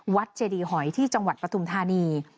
เจดีหอยที่จังหวัดปฐุมธานี